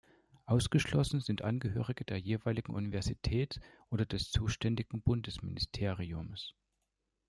Ausgeschlossen sind Angehörige der jeweiligen Universität oder des zuständigen Bundesministeriums.